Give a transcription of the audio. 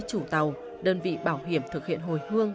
chủ tàu đơn vị bảo hiểm thực hiện hồi hương